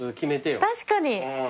確かに。